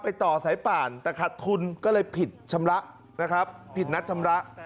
ต่อสายป่านแต่ขัดทุนก็เลยผิดชำระนะครับผิดนัดชำระ